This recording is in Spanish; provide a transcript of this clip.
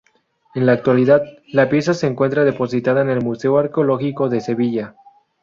En la actualidad, la pieza se encuentra depositada en el Museo Arqueológico de Sevilla.